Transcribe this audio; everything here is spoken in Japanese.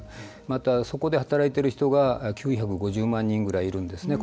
またそこで、働いている人が９５０万人ぐらいいるんですね。